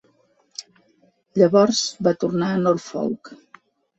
Llavors va tornar a Norfolk.